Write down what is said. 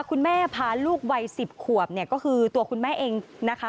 คุณแม่พาลูกวัย๑๐ขวบเนี่ยก็คือตัวคุณแม่เองนะคะ